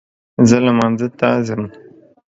زه لمانځه ته ځم